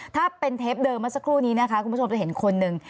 ถ้าเป็นเทปเดิมเมื่อสักครู่นี้นะคะคุณผู้ชมจะเห็นคนหนึ่ง